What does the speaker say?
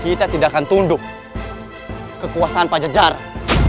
kita tidak akan tunduk kekuasaan pajajaran